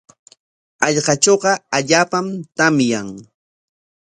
Hallqatrawqa allaapam tamyan.